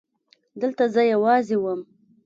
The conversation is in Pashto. دلته زه يوازې وم.